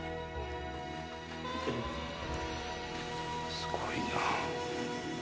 すごいな。